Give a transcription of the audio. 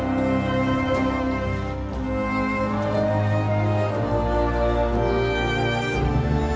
masih ada yang berpengaruh